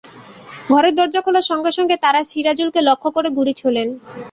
ঘরের দরজা খোলার সঙ্গে সঙ্গে তাঁরা সিরাজুলকে লক্ষ্য করে গুলি ছোড়েন।